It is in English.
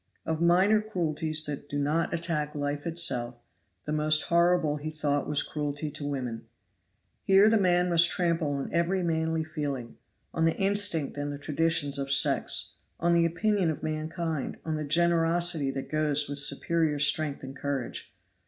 Of minor cruelties that do not attack life itself the most horrible he thought was cruelty to women. Here the man must trample on every manly feeling, on the instinct and the traditions of sex, on the opinion of mankind, on the generosity that goes with superior strength and courage.